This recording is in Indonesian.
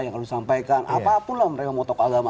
yang harus disampaikan apapun lah mereka mau tokoh agama